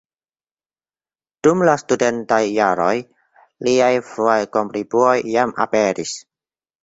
Dum la studentaj jaroj liaj fruaj kontribuoj jam aperis.